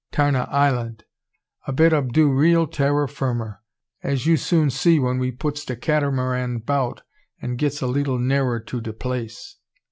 'Tarn a island, a bit ob do real terrer firmer, as you soon see when we puts de Cat'maran 'bout an' gits a leetle nearer to de place."